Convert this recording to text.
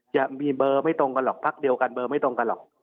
จะมีเบอร์ไม่ตรงกันหรอกพักเดียวกันเบอร์ไม่ตรงกันหรอก